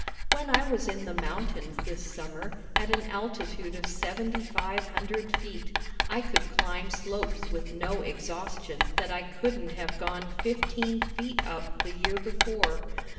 When I was in the mountains this summer, at an altitude of seventy five hundred feet, I could climb slopes with no exhaustion that I couldn't have gone fifteen feet up the year before.